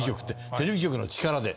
テレビ局の力で。